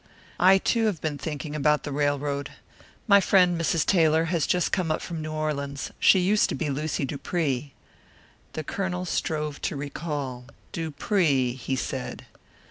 "I, too, have been thinking about the railroad. My friend, Mrs. Taylor, has just come up from New Orleans. She used to be Lucy Dupree." The Colonel strove to recall. "Dupree?" he said.